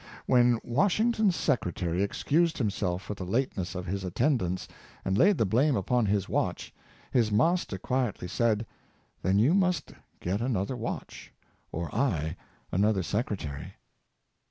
When Wash ington's secretary excused himself for the lateness of his attendance and laid the blame upon his watch, his 24 370 Honesty the Best Policy, master quietly said, " Then you must get another watch, or I another secretary."